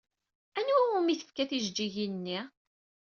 Anwa umi tefka tijeǧǧigin-nni?